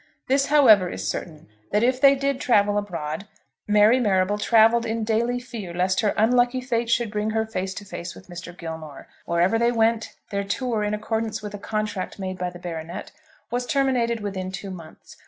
This, however, is certain, that if they did travel abroad, Mary Marrable travelled in daily fear lest her unlucky fate should bring her face to face with Mr. Gilmore. Wherever they went, their tour, in accordance with a contract made by the baronet, was terminated within two months.